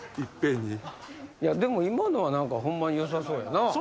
いやでも今のは何かホンマによさそうやな。